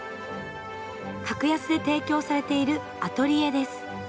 格安で提供されているアトリエです。